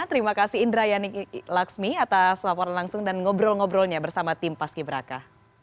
terima kasih indrayani laksmi atas laporan langsung dan ngobrol ngobrolnya bersama tim paski beraka